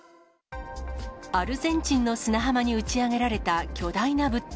アルゼンチンの砂浜に打ち上げられた巨大な物体。